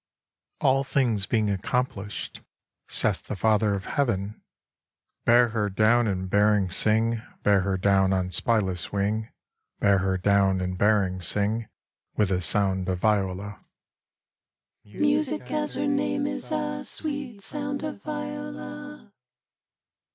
VII All things being accomplished, saith the Father of Heaven: Bear her down, and bearing, sing, Bear her down on spyless wing, Bear her down, and bearing, sing, With a sound of viola.